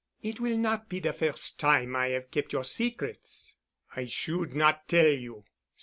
"It will not be the first time I have kept your secrets." "I should not tell you."